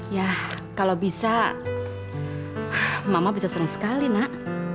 yah kalau bisa mama bisa sering sekali nak